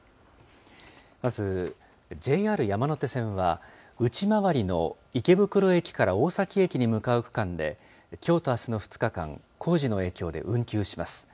まず、ＪＲ山手線は、内回りの池袋駅から大崎駅に向かう区間で、きょうとあすの２日間、工事の影響で運休します。